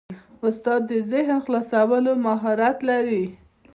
استاد د ذهن خلاصولو مهارت لري.